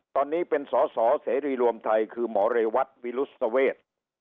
ตอนนี้เป็นสอสอเสรีรวมไทยคือหมอเรวัตวิรุษเวท